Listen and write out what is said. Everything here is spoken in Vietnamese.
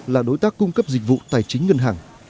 là đối tác cung cấp dịch vụ tài chính ngân hàng